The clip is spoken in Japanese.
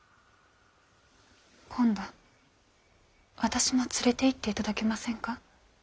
今度私も連れていっていただけませんか？